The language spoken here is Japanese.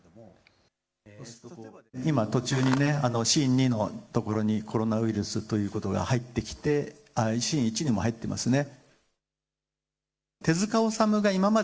今、途中に、シーン２のところにコロナウイルスということが入ってきて、シーン１にも入っていますね。